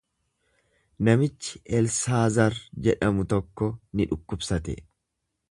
Namichi Elsaazar jedhamu tokko ni dhukkubsate.